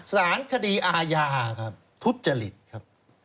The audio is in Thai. ศาลคดีอายาทุจจริตครับ